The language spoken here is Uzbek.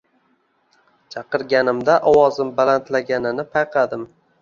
chaqirganimda ovozim balandlaganini payqadim